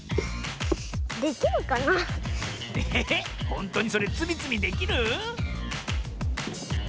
ほんとにそれつみつみできる？